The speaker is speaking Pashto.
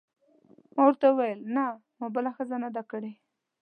ما ورته وویل: نه، ما بله ښځه نه ده کړې.